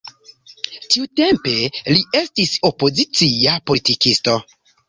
Tiutempe li estis opozicia politikisto.